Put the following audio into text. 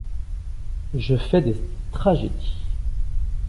Je fais des tragédies.